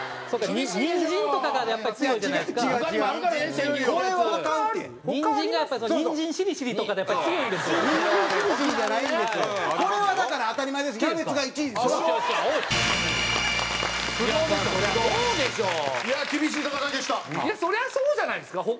そりゃそうじゃないですか。